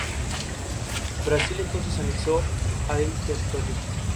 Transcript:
Brasil entonces anexó el territorio.